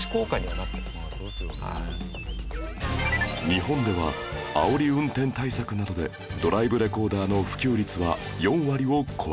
日本ではあおり運転対策などでドライブレコーダーの普及率は４割を超えるとも